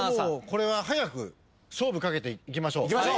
これは早く勝負かけていきましょう。